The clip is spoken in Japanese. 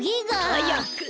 はやく！